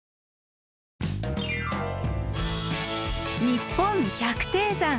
「にっぽん百低山」。